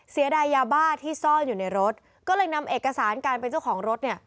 เสียดายยาบ้าที่ซ่อนอยู่ในรถก็เลยนำเอกสารการเป็นเจ้าของรถเนี่ย